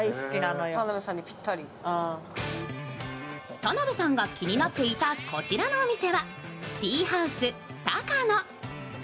田辺さんが気になっていたこちらのお店はティーハウスタカノ。